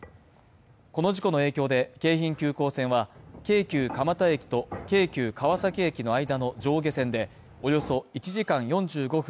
この事故の影響で、京浜急行線は京急蒲田駅と京急川崎駅の間の上下線でおよそ１時間４５分